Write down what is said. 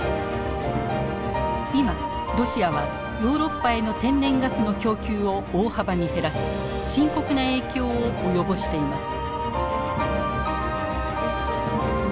今ロシアはヨーロッパへの天然ガスの供給を大幅に減らし深刻な影響を及ぼしています。